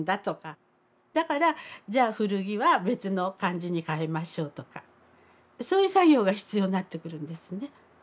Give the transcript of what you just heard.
だからじゃあ古着は別の漢字に変えましょうとかそういう作業が必要になってくるんですね。